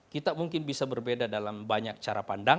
kita mungkin bisa berbeda dalam banyak cara pandang